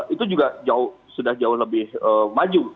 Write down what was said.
itu juga sudah jauh lebih maju